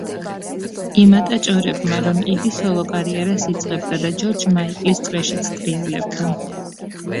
იმატა ჭორებმა, რომ იგი სოლო-კარიერას იწყებდა და ჯორჯ მაიკლის წრეშიც ტრიალებდა.